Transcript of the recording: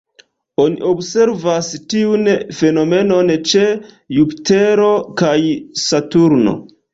Oni observas tiun fenomenon ĉe Jupitero kaj Saturno.